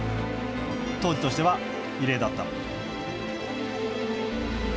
当時としては異例だった。